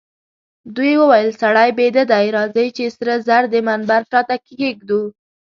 دوی وویل: سړی بیده دئ، راځئ چي سره زر د منبر شاته کښېږدو.